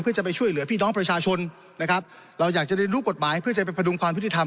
เพื่อจะไปช่วยเหลือพี่น้องประชาชนนะครับเราอยากจะเรียนรู้กฎหมายเพื่อจะไปพดุงความยุติธรรม